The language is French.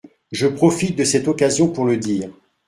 Je profite de cette occasion pour le dire.